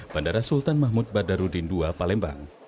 bandara sultan mahmud badarudin ii palembang